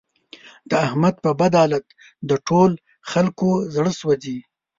د احمد په بد حالت د ټول خکلو زړه سوځي.